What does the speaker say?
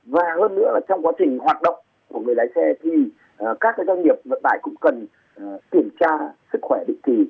và hơn nữa là trong quá trình hoạt động của người lái xe thì các doanh nghiệp vận tải cũng cần kiểm tra sức khỏe định kỳ